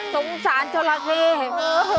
ทรงสารจอราเคียร์